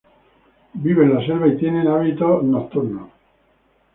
Vive en la selva y tiene hábitos nocturnos.